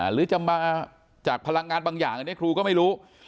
หรือจะมาจากพลังงานบางอย่างอันนี้ครูก็ไม่รู้